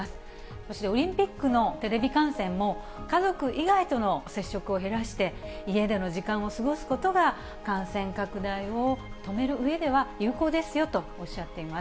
そしてオリンピックのテレビ観戦も、家族以外との接触を減らして、家での時間を過ごすことが、感染拡大を止めるうえでは、有効ですよとおっしゃっています。